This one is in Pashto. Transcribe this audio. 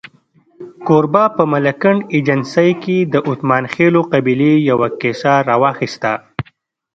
کوربه په ملکنډ ایجنسۍ کې د اتمانخېلو قبیلې یوه کیسه راواخسته.